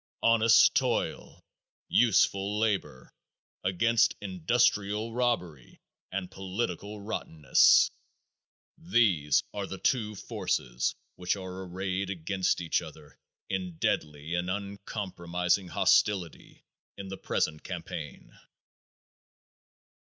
Honest toil, useful labor, against industrial robbery and political rottenness! These are the two forces which are arrayed against each other in deadly and uncompromising hostility in the present campaign.